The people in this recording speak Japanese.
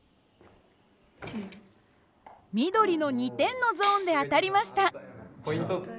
緑の２点のゾーンで当たりました。